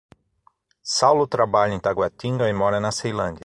Saulo trabalha em Taguatinga e mora na Ceilândia.